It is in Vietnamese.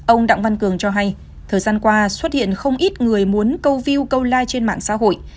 ông đặng văn cường cho hay thời gian qua xuất hiện không ít người muốn câu view câu like trên mạng xã hội